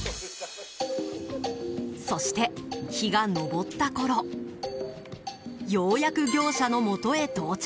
そして日が昇ったころようやく業者のもとへ到着。